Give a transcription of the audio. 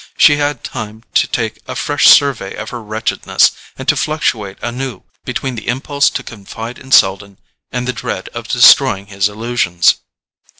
She had time to take a fresh survey of her wretchedness, and to fluctuate anew between the impulse to confide in Selden and the dread of destroying his illusions.